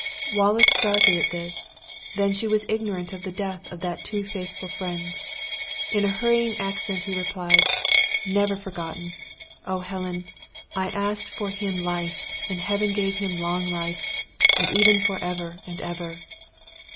Wallace started at this; then she was ignorant of the death of that too faithful friend! In a hurrying accent he replied, "Never forgotten! Oh, Helen. I asked for him life; and Heaven gave him long life, even forever and ever!"